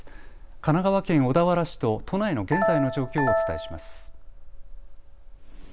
神奈川県小田原市と都内の現在の状況をお伝えします。